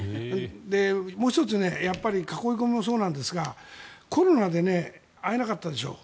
もう１つ囲い込みもそうなんですがコロナで会えなかったでしょう。